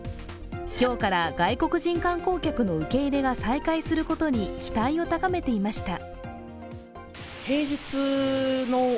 今日から外国人観光客の受け入れが再開することに期待を高めていました。